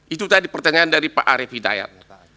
itu tadi pertanyaan dari pak arief hidayat